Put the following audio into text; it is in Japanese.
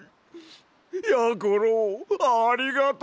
やころありがとな！